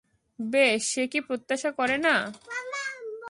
বেশ, সে কি প্রত্যাশা করেনা?